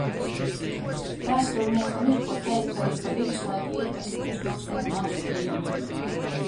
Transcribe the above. Vēsturniekam ir, ko teikt arī par viduslaiku ietekmi uz mūsdienu Latviju.